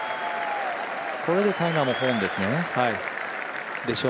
これでタイガーもホーンですね。